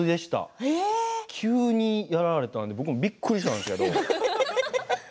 急にやられたので僕もびっくりしたんですけど。